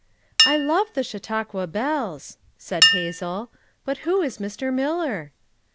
"I lovo the Chautauqua bolls," said Hazel, "but who is Mr. Miller!"